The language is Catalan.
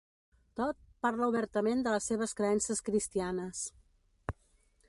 Todd parla obertament de les seves creences cristianes.